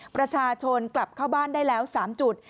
ประชาชนกลับเข้าบ้านได้แล้ว๓จุด